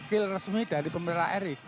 dan itu wakil resmi dari pemerintah ri